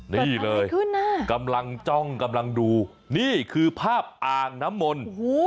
นี่เลยกำลังจ้องกำลังดูนี่คือภาพอ่างน้ำมนต์